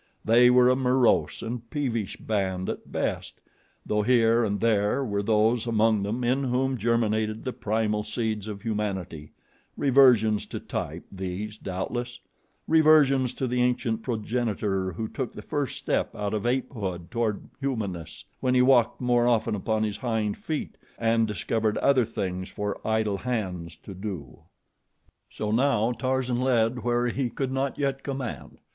They were a morose and peevish band at best, though here and there were those among them in whom germinated the primal seeds of humanity reversions to type, these, doubtless; reversions to the ancient progenitor who took the first step out of ape hood toward humanness, when he walked more often upon his hind feet and discovered other things for idle hands to do. So now Tarzan led where he could not yet command.